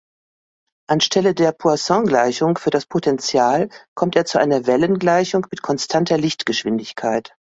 Anstelle der Poisson-Gleichung für das Potential, kommt er zu einer Wellengleichung mit konstanter Lichtgeschwindigkeit.